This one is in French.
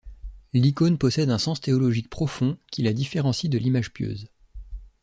L'icône possède un sens théologique profond qui la différencie de l'image pieuse.